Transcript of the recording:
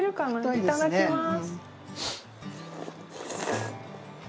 いただきます。